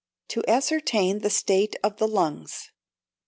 To Ascertain the State of the Lungs.